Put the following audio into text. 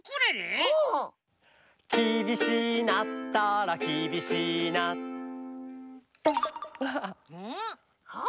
きびしいなったらきびしいなうん？はあ？